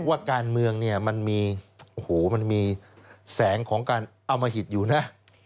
ว่าการเมืองมันมีแสงของการเอามาหิดอยู่นะ